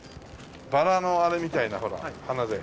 バラのあれみたいなほら花で。